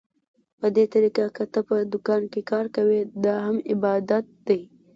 په دې طريقه که ته په دوکان کې کار کوې، دا هم عبادت دى.